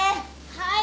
はい。